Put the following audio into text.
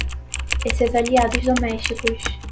e seus aliados domésticos.